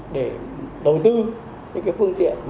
để đầu tư những phương tiện